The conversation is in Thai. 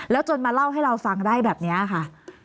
จนมาเล่าให้เราฟังได้แบบนี้ค่ะ